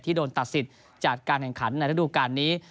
โดนตัดสิทธิ์จากการแข่งขันในระดูการนี้